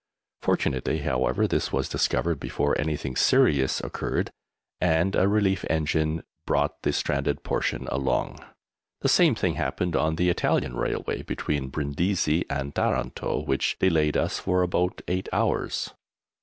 Fortunately, however, this was discovered before anything serious occurred, and a relief engine brought the stranded portion along. The same thing happened on the Italian railway between Brindisi and Taranto, which delayed us for about eight hours.